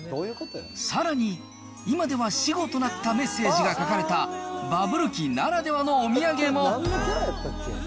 さらに、今では死語となったメッセージが書かれた、バブル期ならではのお土産も。